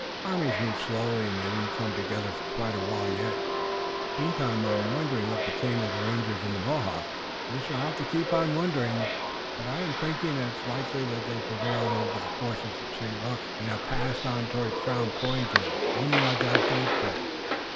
"Armies move slowly and they won't come together for quite a while yet. Meantime, I'm wondering what became of the rangers and the Mohawks." "We shall have to keep on wondering, but I am thinking it likely that they prevailed over the forces of St. Luc and have passed on toward Crown Point and Oneadatote.